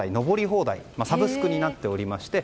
放題サブスクになっておりまして